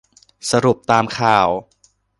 สรุปตามข่าว